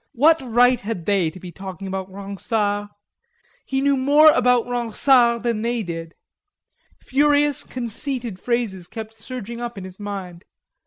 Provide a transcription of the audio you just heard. What right had they to be talking about Ronsard? He knew more about Ronsard than they did. Furious, conceited phrases kept surging up in his mind.